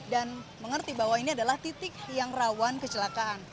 dan mengerti bahwa ini adalah titik yang rawan kecelakaan